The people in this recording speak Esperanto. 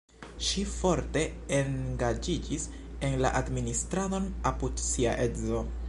Ŝi forte engaĝiĝis en la administradon apud sia edzo.